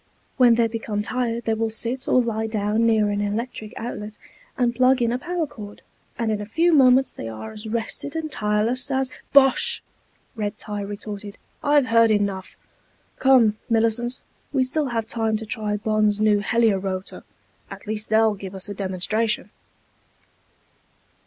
When they become tired they will sit or lie down near an electric outlet and plug in a power cord, and in a few minutes they are as rested and tireless as...." "Bosh!" Red tie retorted. "I've heard enough. Come, Millicent, we still have time to try Bonn's new Helio rotor. At least they'll give us a demonstration."